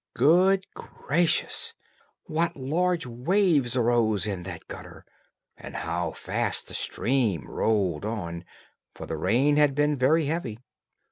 Good gracious, what large waves arose in that gutter! and how fast the stream rolled on! for the rain had been very heavy.